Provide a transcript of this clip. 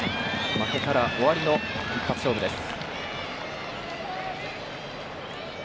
負けたら終わりの一発勝負です。